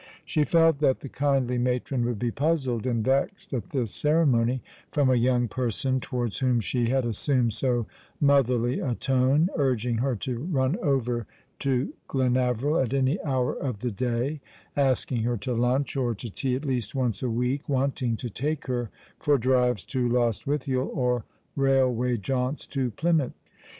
She felt that the kindly matron would be puzzled and vexed at tliis ceremony, from a young person towards whom she had assumed so motherly a tone, urging her to run over to Glenaveril at any hour of the day — asking her to lunch or to tea at least once a week — wanting to take her for drives to Lostwithiel, or railway jaunts to Plymouth.